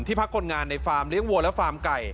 พักคนงานในฟาร์มเลี้ยงวัวและฟาร์มไก่